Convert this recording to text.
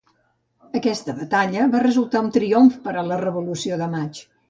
Aquesta batalla va resultar un triomf per a la Revolució de Maig.